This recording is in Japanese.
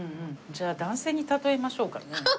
じゃあ男性に例えましょうかね。